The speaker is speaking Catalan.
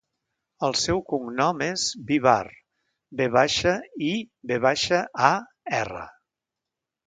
El seu cognom és Vivar: ve baixa, i, ve baixa, a, erra.